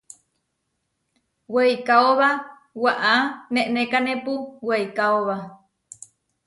Weikaóba waʼá nenekanépu weikaóba.